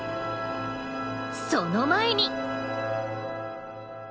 その前に。